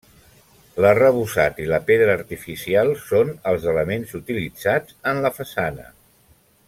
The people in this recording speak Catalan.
L'arrebossat i la pedra artificial són els elements utilitzats en la façana.